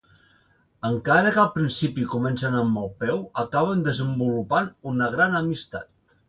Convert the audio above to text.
Encara que al principi comencen amb mal peu, acaben desenvolupant un gran amistat.